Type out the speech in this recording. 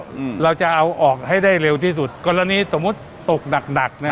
อืมเราจะเอาออกให้ได้เร็วที่สุดกรณีสมมุติตกหนักหนักเนี้ย